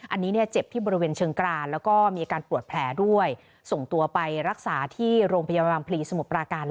อันนี้เนี่ยเจ็บที่บริเวณเชิงกรานแล้วก็มีอาการปวดแผลด้วยส่งตัวไปรักษาที่โรงพยาบาลพลีสมุทรปราการ